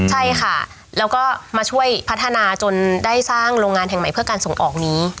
ใช่ค่ะแล้วก็มาช่วยพัฒนาจนได้สร้างโรงงานแห่งใหม่เพื่อการส่งออกนี้